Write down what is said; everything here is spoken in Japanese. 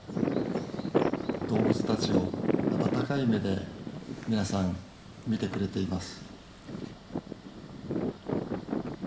動物たちを温かい目で皆さん見てくれています